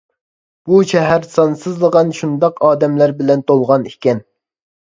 بۇ شەھەر سانسىزلىغان شۇنداق ئادەملەر بىلەن تولغان ئىكەن.